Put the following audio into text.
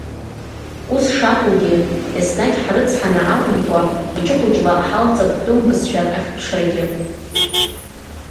Ус шакәугьы, еснагь ҳрыцҳаны акәымкәа, хәыҷы-хәыҷла ҳалҵып тәым бызшәак ахьԥшрагьы.